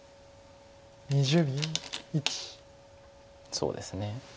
そうですね。